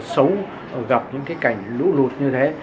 xấu gặp những cái cảnh lút lút như thế